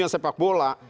menguasai dunia sepak bola